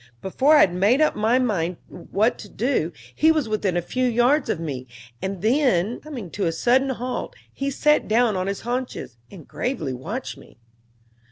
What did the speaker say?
Before I had made up my mind what to do, he was within a few yards of me, and then, coming to a sudden halt, he sat down on his haunches, and gravely watched me.